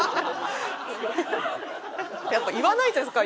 やっぱ言わないじゃないですか。